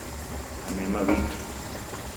Anem a Vic.